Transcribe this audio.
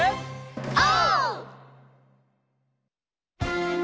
オー！